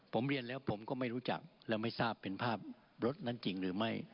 ผมเรียนแล้วผมก็ไม่รู้จักและไม่ทราบเป็นภาพรถนั้นจริงหรือไม่